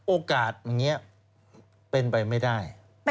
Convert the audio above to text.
โอกาสอย่างนี้เป็นไปไม่ได้